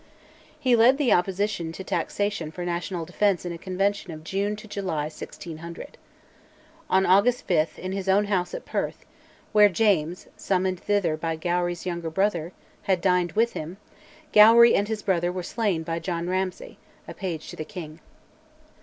He led the opposition to taxation for national defence in a convention of June July 1600. On August 5, in his own house at Perth, where James, summoned thither by Gowrie's younger brother, had dined with him, Gowrie and his brother were slain by John Ramsay, a page to the king.